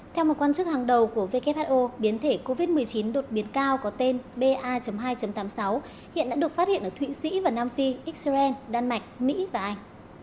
theo một quan chức hàng đầu của who biến thể covid một mươi chín đột biến cao có tên ba hai tám mươi sáu hiện đã được phát hiện ở thụy sĩ và nam phi israel đan mạch mỹ và anh